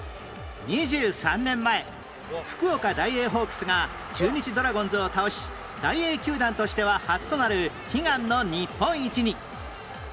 ２３年前福岡ダイエーホークスが中日ドラゴンズを倒しダイエー球団としては初となる悲願の日本一に